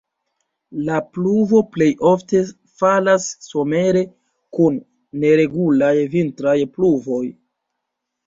La pluvo plejofte falas somere, kun neregulaj vintraj pluvoj.